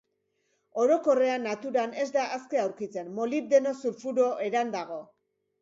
Orokorrean, naturan ez da aske aurkitzen, molibdeno sulfuro eran dago.